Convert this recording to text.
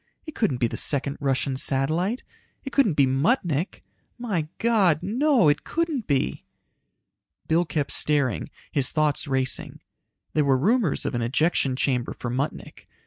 "It couldn't be the second Russian satellite, it couldn't be Muttnik! My God, no, it couldn't be!" Bill kept staring, his thoughts racing. There were rumors of an ejection chamber for Muttnik.